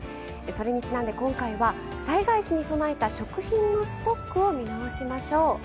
それにちなんで今回は災害時に備えた食品のストックを見直しましょう。